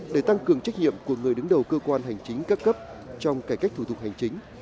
để tăng cường trách nhiệm của người đứng đầu cơ quan hành chính các cấp trong cải cách thủ tục hành chính